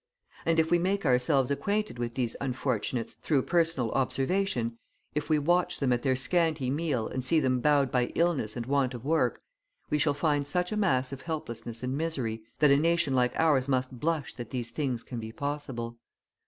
And if we make ourselves acquainted with these unfortunates, through personal observation, if we watch them at their scanty meal and see them bowed by illness and want of work, we shall find such a mass of helplessness and misery, that a nation like ours must blush that these things can be possible.